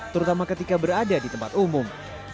terutama ketika berada di tempat umum